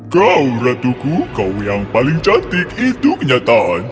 kau ratuku kau yang paling cantik itu kenyataan